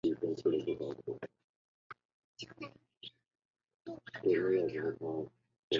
日当诺夫卡小涅瓦河两条分流之一。